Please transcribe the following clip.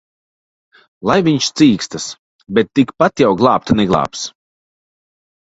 Lai viņš cīkstas! Bet tikpat jau glābt neglābs.